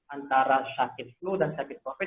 antara sakit flu dan sakit covid sembilan belas